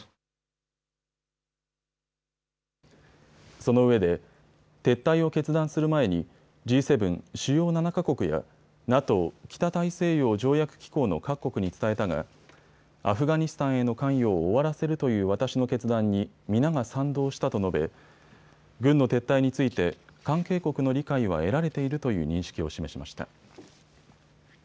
そのうえで撤退を決断する前にＧ７・主要７か国やＮＡＴＯ・北大西洋条約機構の各国に伝えたがアフガニスタンへの関与を終わらせるという私の決断に皆が賛同したと述べ軍の撤退について関係国の理解は得られているという認識を示しました。